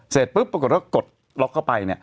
เสร็จปุ๊บปรากฏว่ากดล็อกเข้าไป